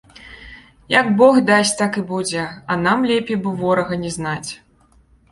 Як бог дасць, так і будзе, а нам лепей бы ворага не знаць.